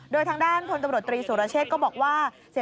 โดยทางด้านพลตำรวจตรีสุรเชษก็บอกว่า